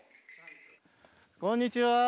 こんにちは。